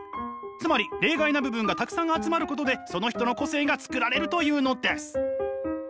つまり例外な部分がたくさん集まることでその人の個性が作られると言うのです。